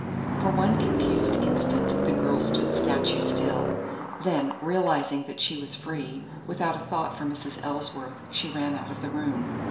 For one confused instant the girl stood statue still, then, realizing that she was free, without a thought for Mrs. Ellsworth she ran out of the room.